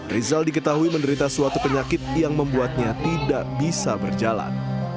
rizal diketahui menderita suatu penyakit yang membuatnya tidak bisa berjalan